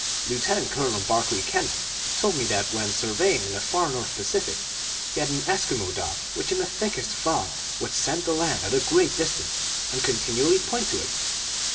Lieutenant Colonel Barclay Kennan told me that when surveying in the far North Pacific he had an Eskimo dog which, in the thickest fog, would scent the land at a great distance, and continually point to it.